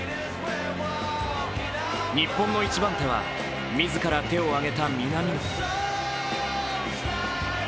日本の一番手は自ら手を挙げた南野。